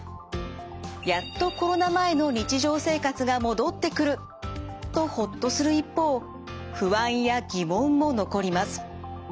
やっとコロナ前の日常生活が戻ってくるとホッとする一方不安や疑問も残ります。